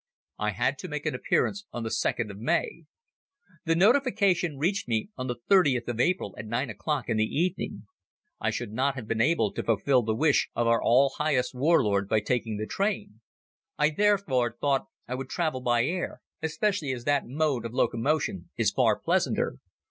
I had to make an appearance on the second of May. The notification reached me on the thirtieth of April at nine o'clock in the evening. I should not have been able to fulfil the wish of our All Highest War Lord by taking the train. I therefore thought I would travel by air, especially as that mode of locomotion is far pleasanter.